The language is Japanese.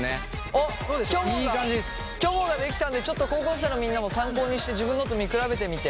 あっきょもがきょもができたんでちょっと高校生のみんなも参考にしてちょっと自分のと見比べてみて。